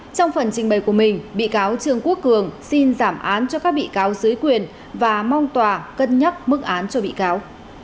trong phần trình bày của mình bị cáo trương quốc cường xin giảm án cho các bị cáo dưới quyền và mong tòa cân nhắc mức án cho bị cáo